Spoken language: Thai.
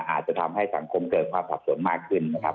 อาจจะทำให้สังคมเกิดความสับสนมากขึ้นนะครับ